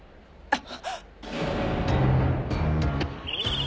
あっ。